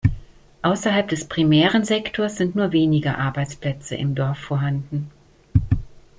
Ausserhalb des primären Sektors sind nur wenige Arbeitsplätze im Dorf vorhanden.